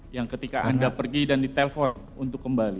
yang ketika anda pergi dan ditelepon untuk kembali